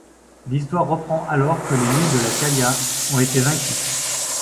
L'histoire reprend alors que les loups de la Calla ont été vaincus.